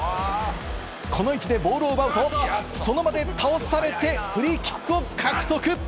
この位置でボールを奪うと、その場で倒されてフリーキックを獲得。